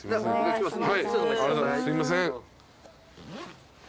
すいません。